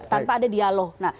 tanpa ada dialog